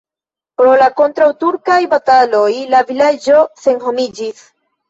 Pro la kontraŭturkaj bataloj la vilaĝo senhomiĝis.